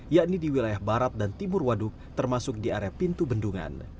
yakni di wilayah barat dan timur waduk termasuk di area pintu bendungan